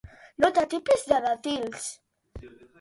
No t'atipis de dàtils.